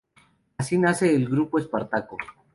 Así nace el Grupo Espartaco.